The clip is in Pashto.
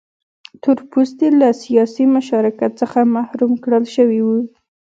تور پوستي له سیاسي مشارکت څخه محروم کړل شوي وو.